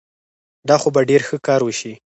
دا خو به ډېر ښه کار وشي.